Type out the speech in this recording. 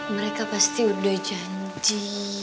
mereka pasti udah janji